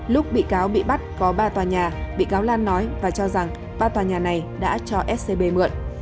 lúc bị cáo bị bắt có ba tòa nhà bị cáo lan nói và cho rằng ba tòa nhà này đã cho scb mượn